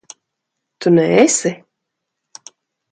Tu neesi?